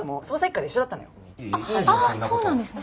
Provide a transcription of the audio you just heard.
ああそうなんですね。